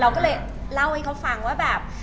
เราก็เลยเล่าให้เขาฟังว่าแบบ